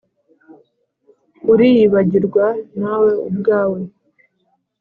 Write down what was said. uriyibagirwa nawe ubwawe